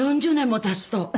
４０年も経つと。